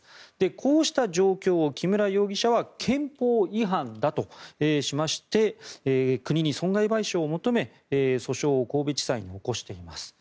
こうした状況を、木村容疑者は憲法違反だとしまして国に損害賠償を求め、訴訟を神戸地裁に起こしています。